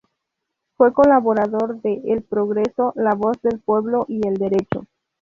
Fue colaborador de "El Progreso", "La Voz del Pueblo" y "El Derecho".